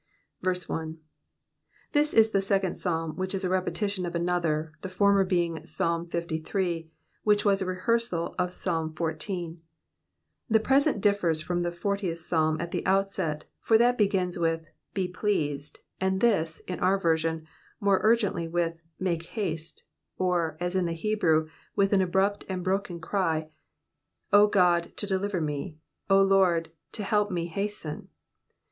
1. This is the second Psalm which is a repetition of another, the former being Psalm liii., which was a rehearsal of Psalm xiv. The present differs from the Fortieth Psalm at the outset, for that begins with, Be pleased/' and this, in our" TersioD, more urgently with, ''Make haste;'''' or, as in the Hebrew, with an abrupt and broken cry, "0 God^ to deliver me; 0 Lord, to help me hasten.'"'